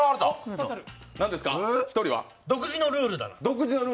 独自のルールだな。